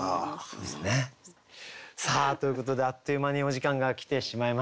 さあということであっという間にお時間が来てしまいました。